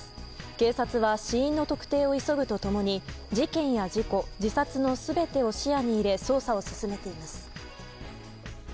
警察は死因の特定を急ぐと共に事件や事故自殺の全てを視野に入れ捜査を進めています。